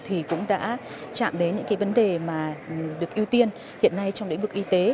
thì cũng đã chạm đến những cái vấn đề mà được ưu tiên hiện nay trong lĩnh vực y tế